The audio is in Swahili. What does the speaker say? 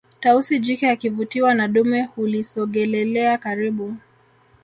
tausi jike akivutiwa na dume hulisogelelea karibu